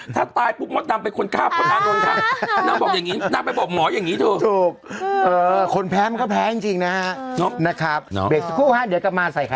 ถ้าตายพริกมดนำเป็นคนทาข้ออา